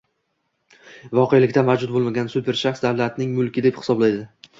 voqelikda mavjud bo‘lmagan supershaxs – davlatning mulki, deb hisoblaydi.